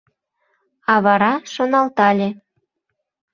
А вара шоналтале: